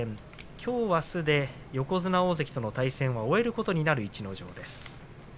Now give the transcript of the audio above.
きょうあすで横綱大関との対戦を終えることになる、逸ノ城です。